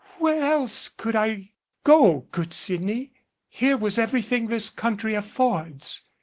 "Where else could I go, good Sydney? Here was everything this country affords.